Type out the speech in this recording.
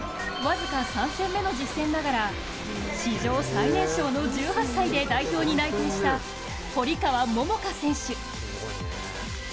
この種目、僅か３戦目の実戦ながら史上最年少の１８歳で代表に内定した堀川桃香選手。